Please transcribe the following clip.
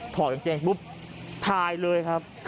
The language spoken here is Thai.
ถอดอย่างเจ๋งปุ๊บพายเลยครับ